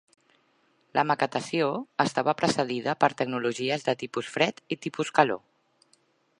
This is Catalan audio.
La maquetació estava precedida per tecnologies de tipus fred i tipus calor.